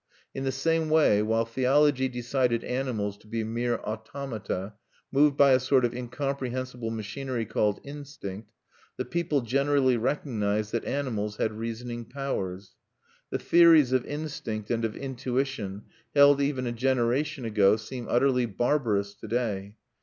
In the same way, while theology decided animals to be mere automata, moved by a sort of incomprehensible machinery called instinct, the people generally recognized that animals had reasoning powers. The theories of instinct and of intuition held even a generation ago seem utterly barbarous to day.